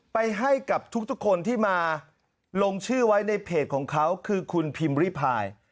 ไปให้กับทุกคนที่มาลงชื่อไว้ในเพจของเขาคือคุณพิมพ์ริพาย